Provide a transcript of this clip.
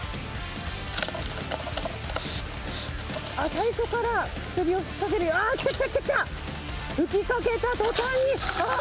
最初から薬を吹きかけ、ああ、来た来た来た。吹きかけたとたんに、あー！